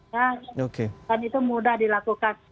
dan itu mudah dilakukan